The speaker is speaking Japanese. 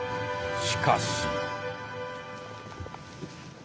しかし。